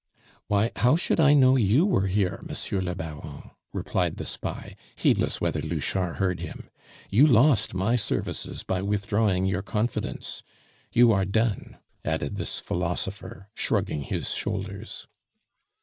"Why, how should I know you were here, Monsieur le Baron?" replied the spy, heedless whether Louchard heard him. "You lost my services by withdrawing your confidence. You are done," added this philosopher, shrugging his shoulders.